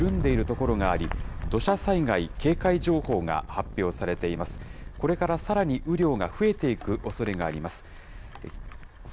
これからさらに雨量が増えていくおそれがあります。